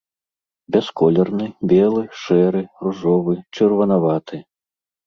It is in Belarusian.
Бясколерны, белы, шэры, ружовы, чырванаваты.